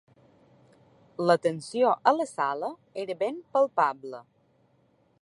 La tensió a la sala era ben palpable.